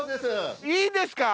いいですか？